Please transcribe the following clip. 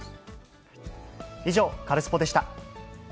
以上、カルスポっ！でした。